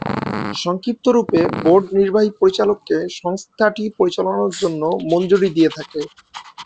সংক্ষিপ্ত রুপে, বোর্ড নির্বাহী পরিচালককে সংস্থাটি পরিচালনার জন্য মঞ্জুরি দিয়ে থাকে।